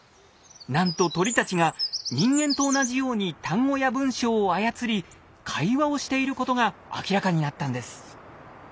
なんと鳥たちが人間と同じように単語や文章を操り会話をしていることが明らかになったんです。